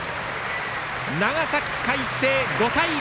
長崎・海星、５対１。